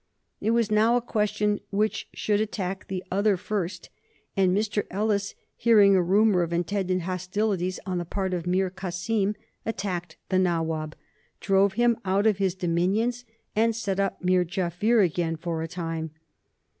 It was now a question which should attack the other first, and Mr. Ellis, hearing a rumor of intended hostilities on the part of Mir Kasim, attacked the Nawab, drove him out of his dominions and set up Mir Jaffier again for a time.